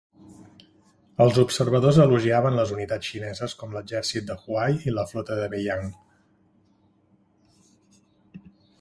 Els observadors elogiaven les unitats xineses com l'exèrcit de Huai i la flota de Beiyang.